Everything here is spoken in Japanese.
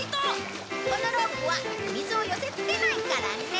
このロープは水を寄せつけないからね。